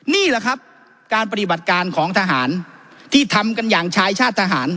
นี่แหละครับการปฏิบัติการของทหารที่ทำกันอย่างชายชาติทหาร